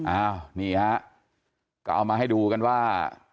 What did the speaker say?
อ้าวนี่ฮะก็เอามาให้ดูกันว่า